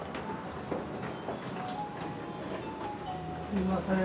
すいません。